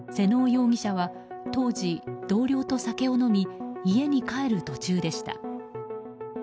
妹尾容疑者は当時、同僚と酒を飲み家に帰る途中でした。